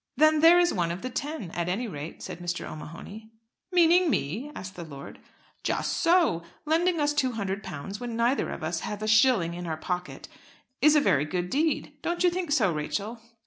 "Then there is one of the ten at any rate," said Mr. O'Mahony. "Meaning me?" asked the lord. "Just so. Lending us £200, when neither of us have a shilling in our pocket, is a very good deed. Don't you think so, Rachel?"